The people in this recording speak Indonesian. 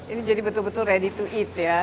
ini jadi betul betul ready to eat ya